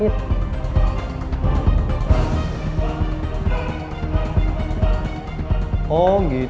kakak mah gani orang asli ini